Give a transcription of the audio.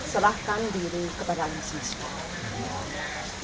selahkan diri kepada alam semesta